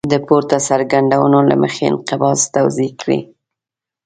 د پورته څرګندونو له مخې انقباض توضیح کړئ.